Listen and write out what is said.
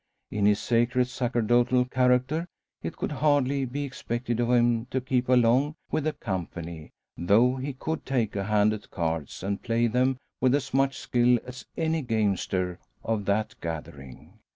In his sacred sacerdotal character it could hardly be expected of him to keep along with the company; though he could take a hand at cards, and play them with as much skill as any gamester of that gathering.